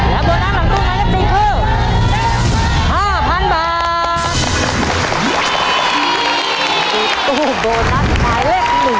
และบโนัสหลังตู้ไหมเลข๔เมื่อ